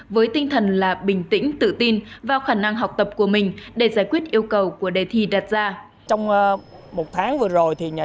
với tinh thần là bình tĩnh tự tin vào khả năng học tập của mình để giải quyết yêu cầu của đề thi đặt ra trong một